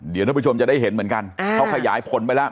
เดี๋ยวท่านผู้ชมจะได้เห็นเหมือนกันเขาขยายผลไปแล้ว